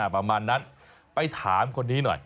ประมาณนั้นไปถามคนนี้หน่อย